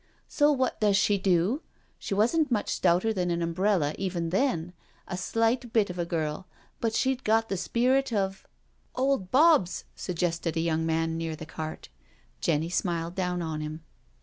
So what does she do — she wasn't much stouter than an umbrella even then, a slight bit of a girl, but she'd got the spirit of "" Old Bobs I " suggested a young man near the cart. Jenny smiled down on him.